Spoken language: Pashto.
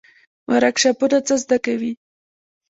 ورکشاپونه څه زده کوي؟